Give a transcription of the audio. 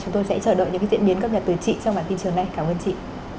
chúng tôi sẽ chờ đợi những diễn biến cấp nhật từ chị trong bản tin chiều nay cảm ơn chị